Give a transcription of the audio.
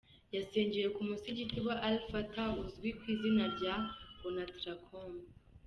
Yasengewe ku musigiti wa Al fat’ha uzwi ku izina rya Onatracom